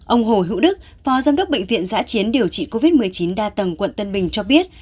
ông hồ hữu đức phó giám đốc bệnh viện giã chiến điều trị covid một mươi chín đa tầng quận tân bình cho biết